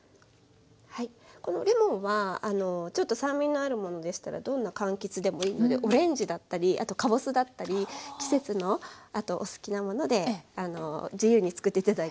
このレモンはちょっと酸味のあるものでしたらどんなかんきつでもいいのでオレンジだったりカボスだったり季節のお好きなもので自由に作って頂いて大丈夫です。